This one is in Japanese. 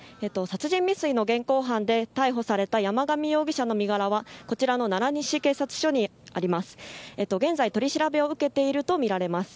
殺人未遂の現行犯で逮捕された山上容疑者の身柄はこちらの奈良西警察署にあります。